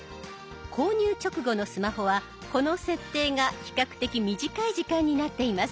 購入直後のスマホはこの設定が比較的短い時間になっています。